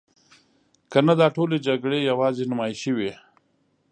کنه دا ټولې جګړې یوازې نمایشي وي.